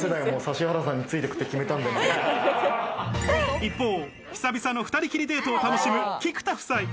一方、久々の２人きりデートを楽しむ菊田夫妻。